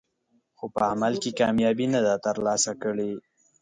خو په عمل کې کامیابي نه ده ترلاسه کړې.